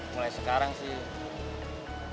mulai sekarang sih